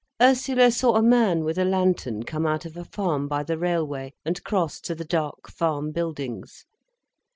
Ursula saw a man with a lantern come out of a farm by the railway, and cross to the dark farm buildings.